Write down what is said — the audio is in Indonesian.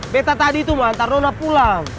beta tadi tuh mau antar nona pulang